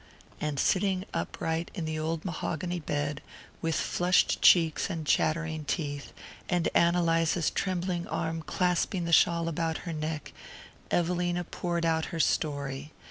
And sitting upright in the old mahogany bed, with flushed cheeks and chattering teeth, and Ann Eliza's trembling arm clasping the shawl about her neck, Evelina poured out her story.